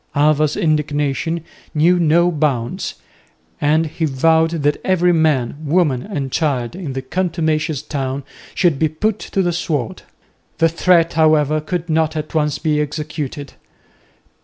Alva's indignation knew no bounds, and he vowed that every man, woman and child in the contumacious town should be put to the sword. The threat, however, could not at once be executed.